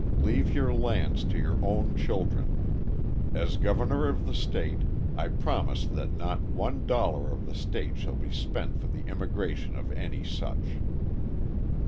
Leave your lands to your own children. As governor of the state, I promise that not one dollar of the state shall be spent for the immigration of any such."